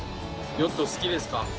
ヨット好きですか？